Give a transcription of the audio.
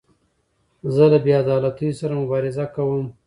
زه له بې عدالتیو سره مبارزه کوم.